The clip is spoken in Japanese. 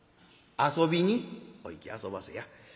遊びにお行きあそばせや。